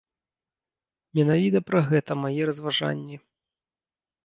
Менавіта пра гэта мае разважанні.